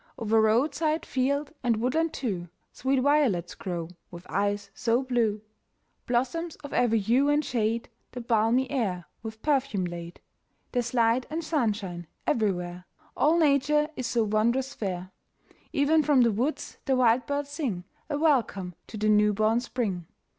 "O'er roadside, field, and woodland, too, Sweet violets grow, with eyes so blue; Blossoms of every hue and shade The balmy air with perfume lade. "There's light and sunshine everywhere; All nature is so wondrous fair; E'en from the woods the wild birds sing A welcome to the newborn spring.